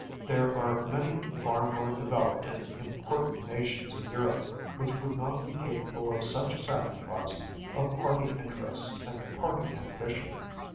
There are many far more developed and important nations in Europe which would not be capable of such a sacrifice of party interests and party ambition.